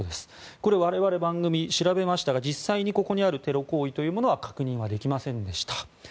これ我々、番組調べましたが実際にここにあるテロ行為というものは確認できませんでした。